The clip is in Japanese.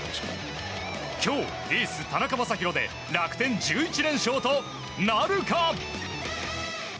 今日、エース田中将大で楽天１１連勝となるか。